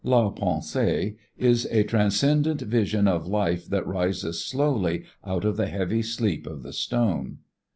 "La Pensée" is a transcendent vision of life that rises slowly out of the heavy sleep of the stone.